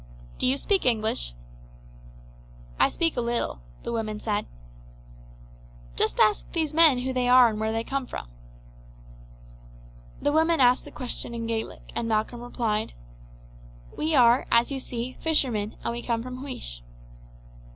"Do you speak English?" "I speak a little," the woman said. "Just ask these men who they are and where they come from." The woman asked the question in Gaelic, and Malcolm replied: "We are, as you see, fishermen, and we come from Huish."